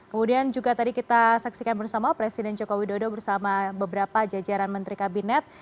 kemudian juga tadi kita saksikan bersama presiden joko widodo bersama beberapa jajaran menteri kabinet